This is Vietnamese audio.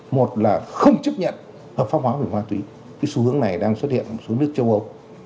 một là không chấp nhận hợp pháp hóa về ma túy cái xu hướng này đang xuất hiện ở một số nước châu âu